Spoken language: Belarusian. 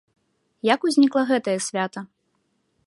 Як узнікла гэтае свята?